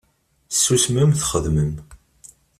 Ssusmem, txedmem.